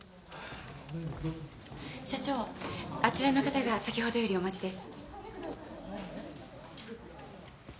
社長あちらの方が先ほどよりお待ちです。